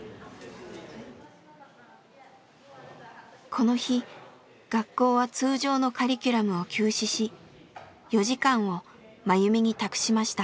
この日学校は通常のカリキュラムを休止し４時間をマユミに託しました。